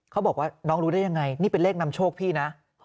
เขาบอกว่าน้องรู้ได้ยังไงนี่เป็นเลขนำโชคพี่นะ